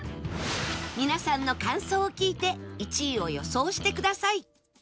皆さんの感想を聞いて１位を予想してください